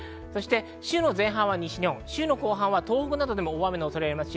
週の前半は西日本、週の後半は東北などでも大雨の恐れがあります。